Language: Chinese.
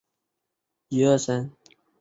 这肯定有前途